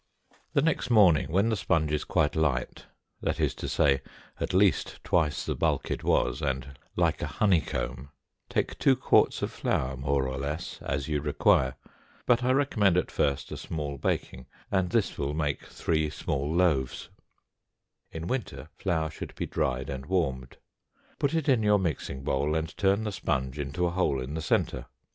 The next morning, when the sponge is quite light that is to say, at least twice the bulk it was, and like a honeycomb take two quarts of flour, more or less, as you require, but I recommend at first a small baking, and this will make three small loaves; in winter, flour should be dried and warmed; put it in your mixing bowl, and turn the sponge into a hole in the center.